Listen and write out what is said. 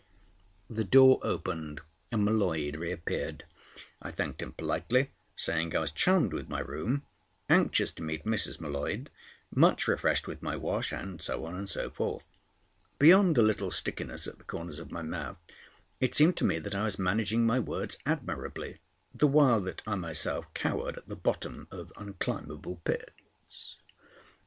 The door opened, and M'Leod reappeared. I thanked him politely, saying I was charmed with my room, anxious to meet Mrs. M'Leod, much refreshed with my wash, and so on and so forth. Beyond a little stickiness at the corners of my mouth, it seemed to me that I was managing my words admirably; the while that I myself cowered at the bottom of unclimbable pits.